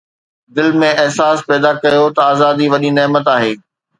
دل ۾ احساس پيدا ڪيو ته آزادي وڏي نعمت آهي